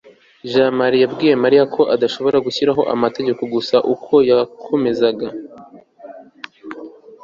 jamali yabwiye mariya ko adashobora gushyiraho amategeko gusa uko yakomezaga